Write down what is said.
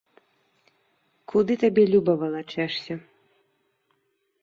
Куды табе люба валачэшся.